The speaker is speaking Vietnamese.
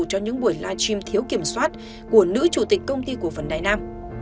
cho những buổi live stream thiếu kiểm soát của nữ chủ tịch công ty cổ phần đài nam